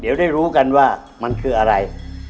เดี๋ยวได้รู้กันว่ามันคืออะไร